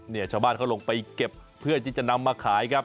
ชาวบ้านเขาลงไปเก็บเพื่อที่จะนำมาขายครับ